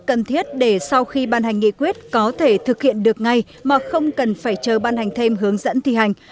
cần thiết để sau khi ban hành nghị quyết có thể thực hiện được ngay mà không cần phải chờ ban hành thêm hướng dẫn thi hành